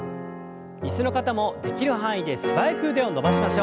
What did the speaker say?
椅子の方もできる範囲で素早く腕を伸ばしましょう。